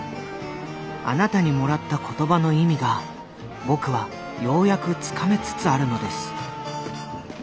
あなたにもらった言葉の意味が僕はようやくつかめつつあるのです」。